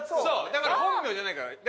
だから本名じゃないからね。